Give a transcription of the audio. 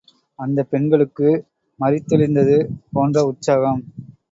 அந்தப் பெண்களுக்கு மரித்தெழுந்தது போன்ற உற்சாகம்.